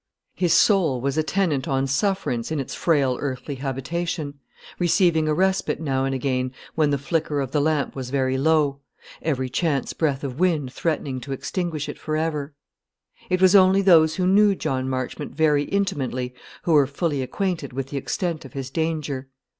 His soul was a tenant on sufferance in its frail earthly habitation, receiving a respite now and again, when the flicker of the lamp was very low every chance breath of wind threatening to extinguish it for ever. It was only those who knew John Marchmont very intimately who were fully acquainted with the extent of his danger.